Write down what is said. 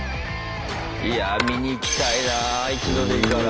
いや見に行きたいな一度でいいから。